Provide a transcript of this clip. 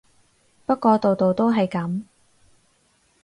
不過度度都係噉